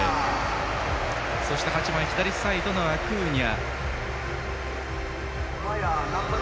そして８番左サイドのアクーニャ。